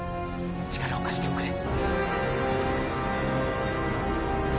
力を貸しておくれ。